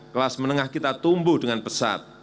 kelas menengah kita tumbuh dengan pesat